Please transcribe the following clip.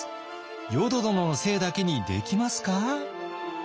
淀殿のせいだけにできますか？